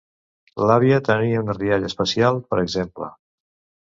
“L'àvia tenia una rialla especial”, per exemple.